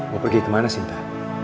mau pergi kemana sinta